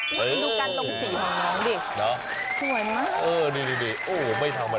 ดูกันตรงสีของน้องดิ